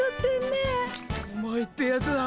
お前ってやつは。